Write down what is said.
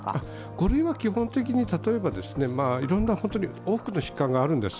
五類は基本的に例えば多くの疾患があるんです。